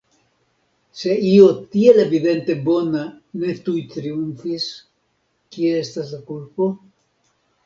Se io tiel evidente bona ne tuj triumfis, kie estas la kulpo?